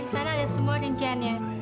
sana ada semua rinciannya